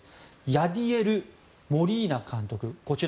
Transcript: ヤディエル・モリーナ監督。